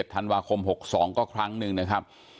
ธันวาคม๖๒ก็ครั้งหนึ่งนะครับ